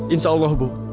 insya allah bu